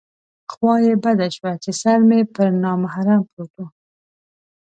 خوا یې بده شوه چې سر مې پر نامحرم پروت و.